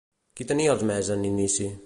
Qui tenia els mes en inici?